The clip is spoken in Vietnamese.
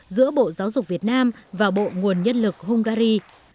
giữa bộ giáo dục việt nam và bộ nguồn nhân lực hungary